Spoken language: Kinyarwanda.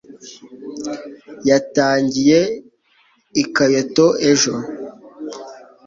yatangiye i kyoto ejo